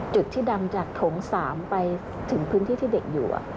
จุดที่ดำจากโถง๓ไปถึงพื้นที่ที่เด็กอยู่